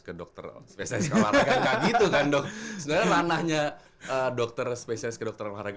ke dokter spesialis kemarin kaget kandung dan ranahnya dokter spesialis kedokteran olahraga